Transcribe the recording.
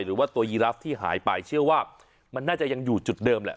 หรือว่าตัวยีราฟที่หายไปเชื่อว่ามันน่าจะยังอยู่จุดเดิมแหละ